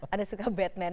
anda suka batman